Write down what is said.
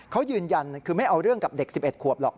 เขายืนยันคือไม่เอาเรื่องกับเด็ก๑๑ขวบหรอก